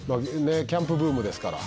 キャンプブームですから。